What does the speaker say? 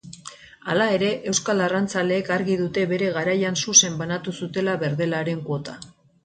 Halere, euskal arrantzaleek argi dute bere garaian zuzen banatu zutela berdelaren kuota.